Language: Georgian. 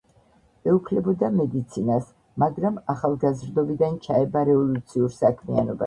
ეუფლებოდა მედიცინას, მაგრამ ახალგაზრდობიდან ჩაება რევოლუციურ საქმიანობაში.